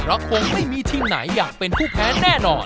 เพราะคงไม่มีทีมไหนอยากเป็นผู้แพ้แน่นอน